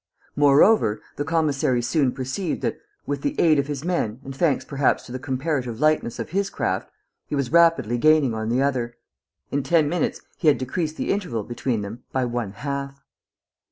Moreover, the commissary soon perceived that, with the aid of his men and thanks perhaps to the comparative lightness of his craft, he was rapidly gaining on the other. In ten minutes he had decreased the interval between them by one half.